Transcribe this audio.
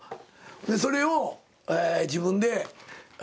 それを自分で。